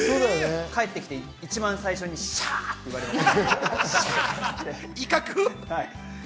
帰ってきて一番最初にシャって言われました。